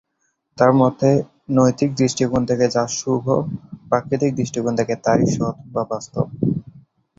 তার মতে, নৈতিক দৃষ্টিকোণ থেকে যা শুভ, প্রাকৃতিক দৃষ্টিকোণ থেকে তাই সৎ বা বাস্তব।